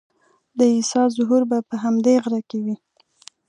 د عیسی ظهور به په همدې غره کې وي.